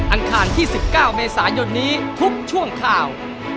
คารที่๑๙เมษายนนี้ทุกช่วงข่าว